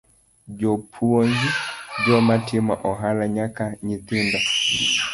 Jopuonje, joma timo ohala nyaka nyithindo